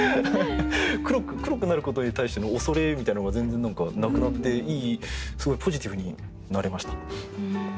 黒くなることに対しての恐れみたいなのが全然なくなってすごいポジティブになれました。